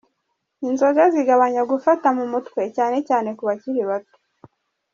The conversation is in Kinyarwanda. Inzoga zigabanya gufata mu mutwe cyane cyane ku bakiri bato.